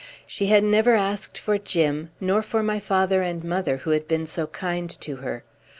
She had never asked for Jim, nor for my father and mother who had been so kind to her.